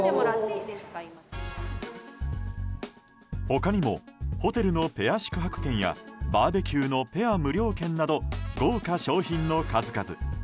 他にもホテルのペア宿泊券やバーベキューのペア無料券など豪華商品の数々。